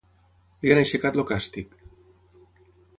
Li han aixecat el càstig.